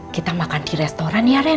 kita makan di restoran ya rein